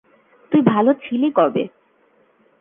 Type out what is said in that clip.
তুই ভালো ছিলি কবে?